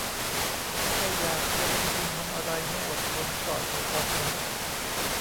ถ้าอยากจะลงทุนทำอะไรให้อดทนก่อนในตอนนี้